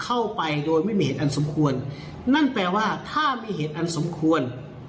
เข้าไปโดยไม่มีเหตุอันสมควรนั่นแปลว่าถ้ามีเหตุอันสมควร